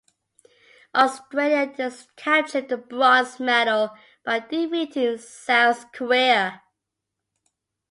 Australia captured the bronze medal by defeating South Korea.